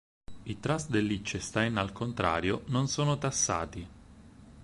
I trust del Liechtenstein, al contrario, non sono tassati.